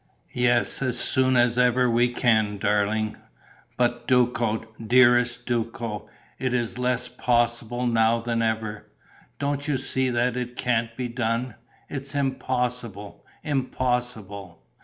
"Yes, as soon as ever we can, darling." "But Duco, dearest Duco, it's less possible now than ever. Don't you see that it can't be done? It's impossible, impossible.